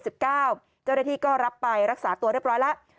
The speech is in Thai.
เจ้าหน้าที่ก็รับไปรักษาตัวเรียบร้อยแล้ว